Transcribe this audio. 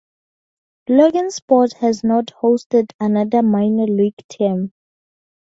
Logansport has not hosted another minor league team.